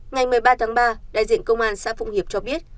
ngày một mươi ba tháng ba đại diện công an xã phụng hiệp cho biết